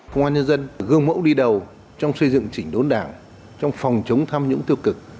công an nhân dân gương mẫu đi đầu trong xây dựng chỉnh đốn đảng trong phòng chống tham nhũng tiêu cực